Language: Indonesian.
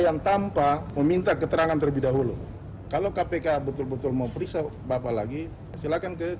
yang tanpa meminta keterangan terlebih dahulu kalau kpk betul betul mau periksa bapak lagi silakan ke